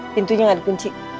pintunya gak dipunci